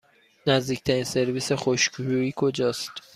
نزدیکترین سرویس خشکشویی کجاست؟